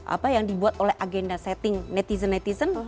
apa yang dibuat oleh agenda setting netizen netizen